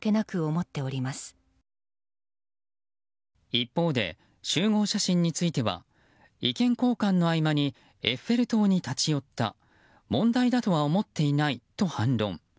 一方で集合写真については意見交換の合間にエッフェル塔に立ち寄った問題だとは思っていないと反論。